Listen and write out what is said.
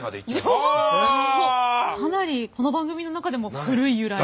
かなりこの番組の中でも古い由来に。